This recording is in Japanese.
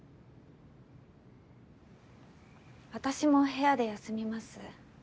私も部屋で休みます。